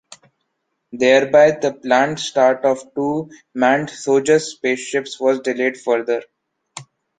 Thereby, the planned start of two manned Sojus spaceships was delayed further.